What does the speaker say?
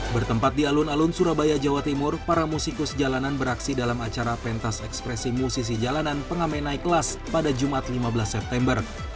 bertempat di alun alun surabaya jawa timur para musikus jalanan beraksi dalam acara pentas ekspresi musisi jalanan pengamen naik kelas pada jumat lima belas september